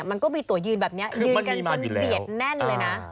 มันก็มีตัวยืนแบบนี้ยืนกันจนเบียดแน่นเลยนะ